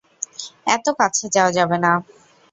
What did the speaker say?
এত কাছে যাওয়া যাবে না।